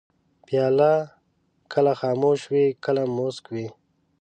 پیاله کله خاموشه وي، کله موسک وي.